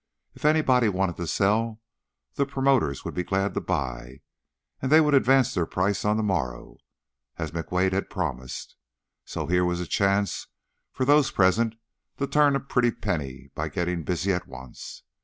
If anybody wanted to sell, the promoters would be glad to buy, and they would advance their price on the morrow, as McWade had promised, so here was a chance for those present to turn a pretty penny by getting busy at once.